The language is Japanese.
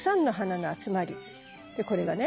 これがね。